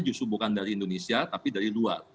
justru bukan dari indonesia tapi dari luar